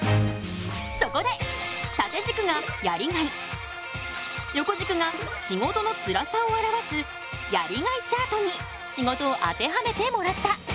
そこで縦じくがやりがい横じくが仕事のつらさを表すやりがいチャートに仕事を当てはめてもらった。